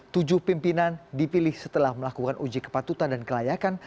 tujuh pimpinan dipilih setelah melakukan uji kepatutan dan kelayakan